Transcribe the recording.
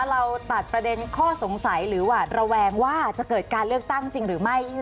เราตัดประเด็นข้อสงสัยหรือหวาดระแวงว่าจะเกิดการเลือกตั้งจริงหรือไม่